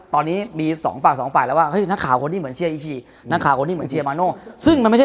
ตอนนี้มีสองฝั่งสองฝ่ายแล้วว่า